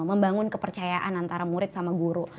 membangun kepercayaan antara murid sama guru